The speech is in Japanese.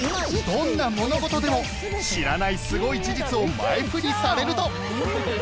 どんな物事でも知らないすごい事実を前フリされると